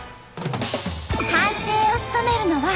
判定を務めるのは。